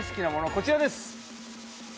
こちらです。